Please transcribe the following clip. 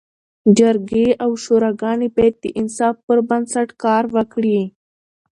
جرګي او شوراګاني باید د انصاف پر بنسټ کار وکړي.